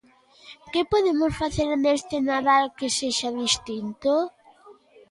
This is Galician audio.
Que podemos facer neste Nadal que sexa distinto?